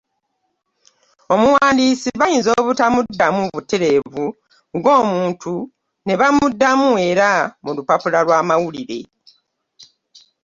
Omuwandiisi bayinza obutamuddamu butereevu ng’omuntu ne bamuddamu era mu lupapula lw’amawulire.